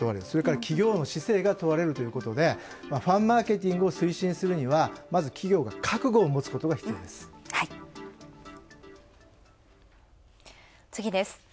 それから企業の姿勢が問われるということでファンマーケティングを推進するにはまず、企業が覚悟を持つことが必要です。